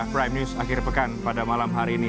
prime news akhir pekan pada malam hari ini